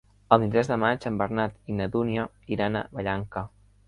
El vint-i-tres de maig en Bernat i na Dúnia iran a Vallanca.